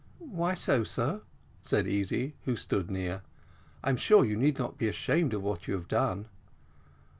"Why so, sir?" said Easy, who stood near, "I am sure you need not be ashamed of what you have done."